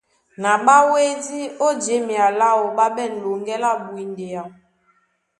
Ná ɓá wédí ó jěmea láō, ɓá ɓɛ̂n loŋgɛ́ lá bwindea.